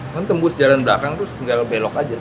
kan tembus jalan belakang terus tinggal belok aja